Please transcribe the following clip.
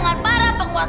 nggak kok aku keragas